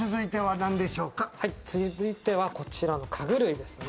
続いては、こちらの家具類です。